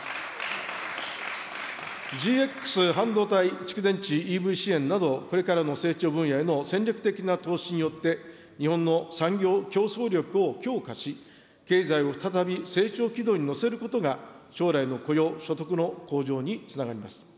ＧＸ、半導体、蓄電池、ＥＶ支援など、これからの成長分野への戦略的な投資によって、日本の産業競争力を強化し、経済を再び成長軌道に乗せることが、将来の雇用、所得の向上につながります。